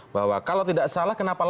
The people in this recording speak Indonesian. bahwa kalau tidak salah kenapa